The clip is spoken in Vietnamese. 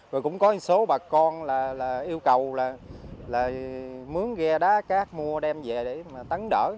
rồi cũng có một số bà con là yêu cầu là mướn ghe đá cát mua đem về để mà tấn đỡ